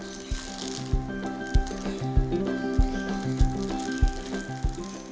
kondisi ini berarti membuat masker kain dari bahan bahan sisa untuk menyelamatkan karyawan